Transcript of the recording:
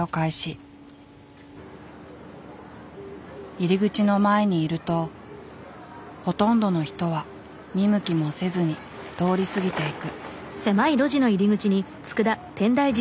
入り口の前にいるとほとんどの人は見向きもせずに通り過ぎていく。